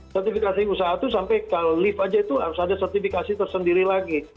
sertifikasi usaha itu sampai kalau lift aja itu harus ada sertifikasi tersendiri lagi